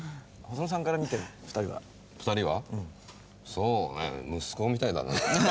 そうねえ息子みたいだね。